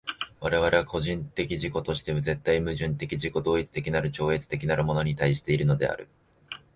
我々は個人的自己として絶対矛盾的自己同一的なるもの超越的なるものに対しているのである。